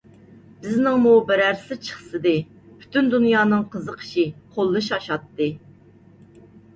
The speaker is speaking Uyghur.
بىزنىڭمۇ بىرەرسى چىقسىدى، پۈتۈن دۇنيانىڭ قىزىقىشى، قوللىشى ئاشاتتى.